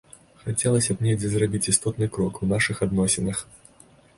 Хацелася б недзе зрабіць істотны крок у нашых адносінах.